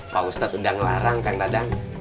pak ustadz hendak melarang kang dadang